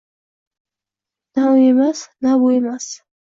Na u emas, na bu emas.